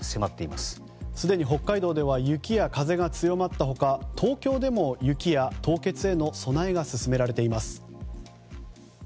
すでに北海道では雪や風が強まった他、東京でも雪や凍結への備えが進められています。